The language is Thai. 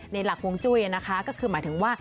หลักฮวงจุ้ยนะคะก็คือหมายถึงว่า